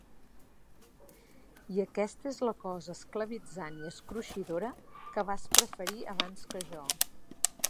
I aquesta és la cosa esclavitzant i escruixidora que vas preferir abans que jo!